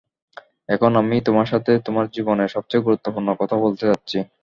এখন আমি তোমার সাথে তোমার জীবনের সবচেয়ে গুরুত্বপূর্ণ কথা বলতে যাচ্ছি।